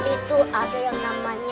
itu ada yang namanya